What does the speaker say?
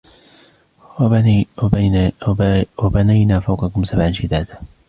وَبَنَيْنَا فَوْقَكُمْ سَبْعًا شِدَادًا